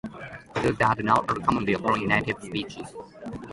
Those that do not are commonly occurring native species.